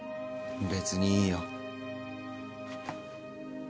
別にいいよ。